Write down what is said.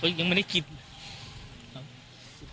แล้วก็ได้คุยกับนายวิรพันธ์สามีของผู้ตายที่ว่าโดนกระสุนเฉียวริมฝีปากไปนะคะ